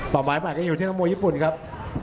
ปากไม้ใหม่ก็อยู่ที่ธมมุญญี่ปุ่นครับ